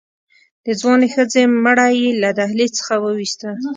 د ځوانې ښځې مړی يې له دهلېز څخه ووېسته.